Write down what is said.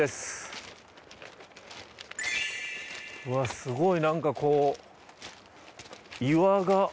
うわすごいなんかこう岩が。